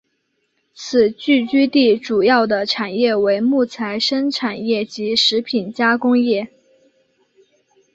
此聚居地主要的产业为木材生产业及食品加工业。